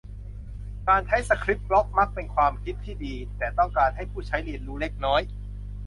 การใช้สคริปต์บล็อคมักเป็นความคิดที่ดี แต่ต้องการให้ผู้ใช้เรียนรู้เล็กน้อย